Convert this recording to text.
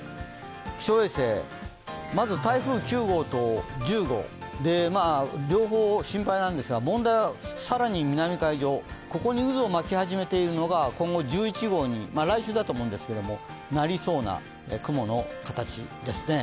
気象衛星台風９号と１０号、両方心配なんですが問題は更に南海上、ここに渦を巻き始めているのが今後１１号に来週だと思うんですけど、なりそうな雲の形ですね。